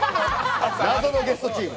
謎のゲストチーム。